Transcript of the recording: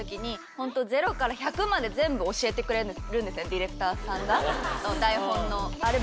ディレクターさんが台本の。